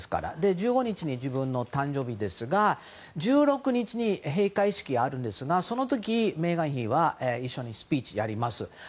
１５日に自分の誕生日ですが１６日に閉会式があるんですがその時、メーガン妃は一緒にスピーチをやります。